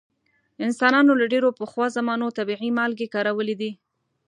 انسانانو له ډیرو پخوا زمانو طبیعي مالګې کارولې دي.